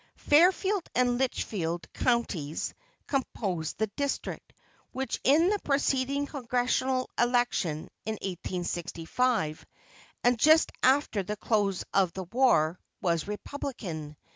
Fairfield and Litchfield counties composed the district, which in the preceding Congressional election, in 1865, and just after the close of the war, was republican.